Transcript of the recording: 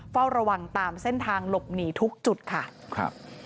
เฝ้าระวังตามเส้นทางหลบหนีทุกจุดค่ะครับ